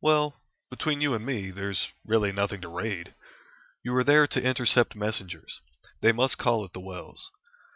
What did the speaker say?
"Well, between you and me, there's really nothing to raid. You are there to intercept messengers. They must call at the wells.